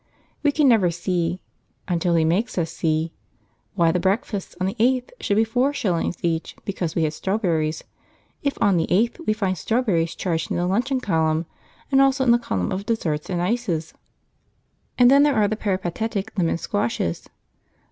We can never see (until he makes us see) why the breakfasts on the 8th should be four shillings each because we had strawberries, if on the 8th we find strawberries charged in the luncheon column and also in the column of desserts and ices. And then there are the peripatetic lemon squashes.